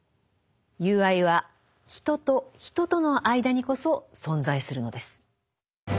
友愛は人と人との間にこそ存在するのです。